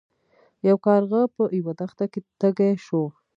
یو کارغه په یوه دښته کې تږی شو.